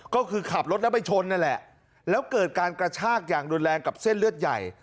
ก็คือขับรถแล้วไปชนนั่นแหละแล้วเกิดการกระชากอย่างรุนแรงกับเส้นเลือดใหญ่